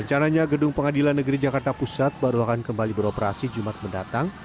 rencananya gedung pengadilan negeri jakarta pusat baru akan kembali beroperasi jumat mendatang